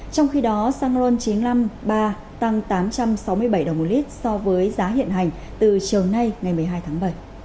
trong khi đó xăng ron chín trăm năm mươi ba tăng tám trăm sáu mươi bảy đồng một lít so với giá hiện hành từ chiều nay ngày một mươi hai tháng bảy